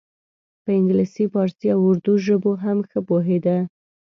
په انګلیسي پارسي او اردو ژبو هم ښه پوهیده.